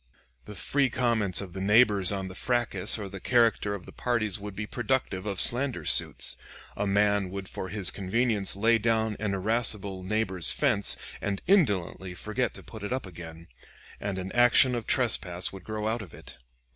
The free comments of the neighbors on the fracas or the character of the parties would be productive of slander suits. A man would for his convenience lay down an irascible neighbor's fence, and indolently forget to put it up again, and an action of trespass would grow out of it.